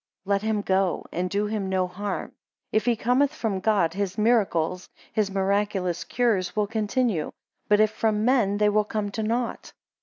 Let him go, and do him no harm; if he cometh from God, his miracles, (his miraculous cures) will continue; but if from men, they will come to nought.